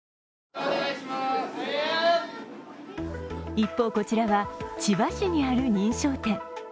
一方こちらは千葉市にある認証店。